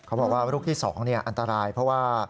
บอกว่าลูกที่๒อันตรายเพราะว่า